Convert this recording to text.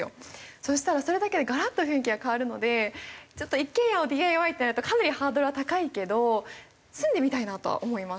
そしたらそれだけでガラッと雰囲気が変わるので一軒家をＤＩＹってなるとかなりハードルは高いけど住んでみたいなとは思います